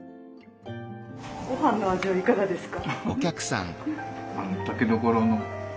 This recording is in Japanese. ごはんの味はいかがですか？